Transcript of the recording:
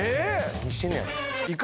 何してんねやろ？